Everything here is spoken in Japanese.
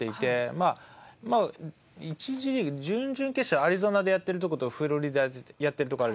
まあ１次リーグ準々決勝アリゾナでやってるとことフロリダでやってるとこある。